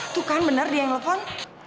tuh kan bener dia yang ngelepon